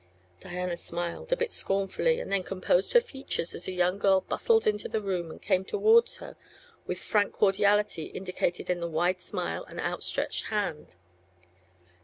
Diana smiled, a bit scornfully, and then composed her features as a young girl bustled into the room and came toward her with frank cordiality indicated in the wide smile and out stretched hand.